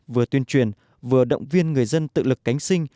vừa tuyên truyền vừa động viên người dân tự lực cánh sinh